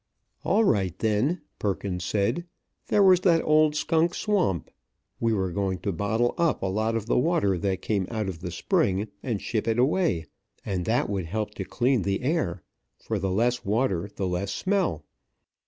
All right, then, Perkins said, there was that old Skunk Swamp. We were going to bottle up a lot of the water that came out of the spring and ship it away; and that would help to clean the air, for the less water, the less smell.